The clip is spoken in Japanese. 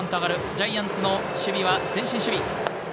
ジャイアンツの守備は前進守備。